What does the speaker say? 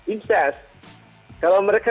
incest kalau mereka